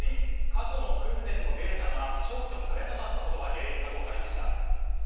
過去の訓練のデータが消去されなかったことが原因だと分かりました。